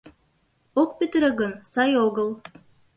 — Ок петыре гын, сай огыл.